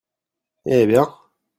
Eh bien